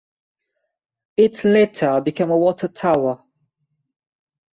It later became a water tower.